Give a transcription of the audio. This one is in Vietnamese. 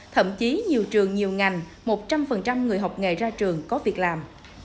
thậm chí nhiều trường nhiều ngành một trăm linh người học nghề ra trường có việc làm